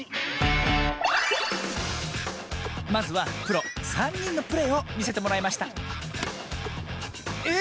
まずはプロさんにんのプレーをみせてもらいましたえ